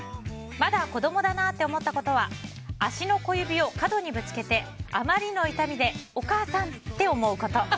まだ子供だなと思ったことは足の小指を角にぶつけてあまりの痛みでお母さん！って思うこと。